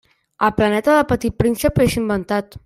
El planeta del Petit Príncep és inventat.